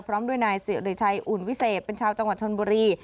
พร้อมด้วยนายสิริชัยอุ่นวิเศษเป็นชาวจังหวัดชนบุรี